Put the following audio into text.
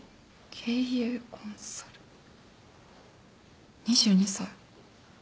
経営コンサル２２歳。